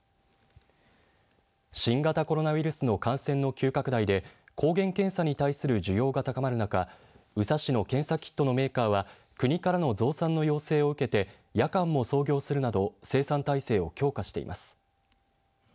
新型コロナウイルスの感染の急拡大で抗原検査に対する需要が高まる中宇佐市の検査キットのメーカーは国からの増産の要請を受けて夜間も操業するなど生産体制を強化しています。